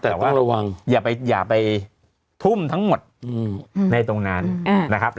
แต่ว่าอย่าไปทุ่มทั้งหมดในตรงนั้นนะครับ